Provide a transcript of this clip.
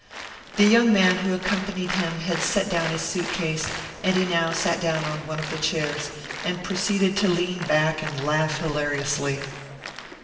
The young man who accompanied him had set down his suit case, and he now sat down on one of the chairs, and proceeded to lean back and laugh hilariously.